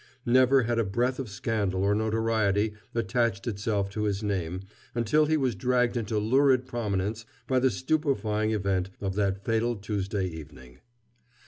Never had a breath of scandal or notoriety attached itself to his name until he was dragged into lurid prominence by the stupefying event of that fatal Tuesday evening.